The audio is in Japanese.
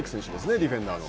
ディフェンダーの。